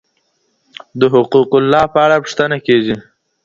د حقوق الله په اړه پوښتنه کېږي.